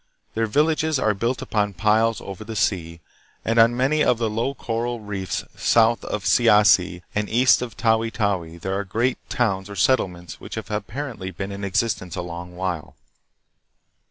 Their villages are built on piles over the sea, and on many of the low coral reefs south of Siassi and east of Tawi Tawi there are great towns or settlements which have apparently been in existence a long while.